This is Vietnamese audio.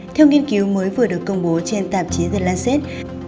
theo nghiên cứu mới vừa được công bố trên tạp chí the lancet